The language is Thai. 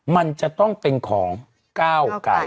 มันจะต้องเป็นของก้าวไก่